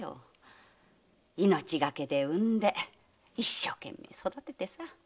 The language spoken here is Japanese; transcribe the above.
命がけで産んで一生懸命育ててさ